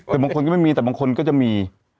แต่บางคนก็ไม่มีแต่บางคนก็จะมี